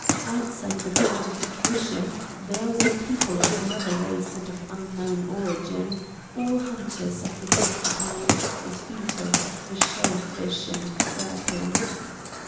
Outside the fortification there were people of another race and of unknown origin, all hunters of the porcupine, and eaters of shell fish and serpents.